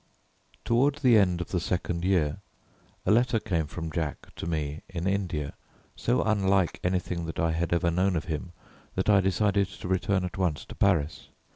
Toward the end of the second year a letter came from Jack to me in India so unlike anything that I had ever known of him that I decided to return at once to Paris.